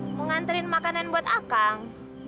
aku pinterin makanan buat akan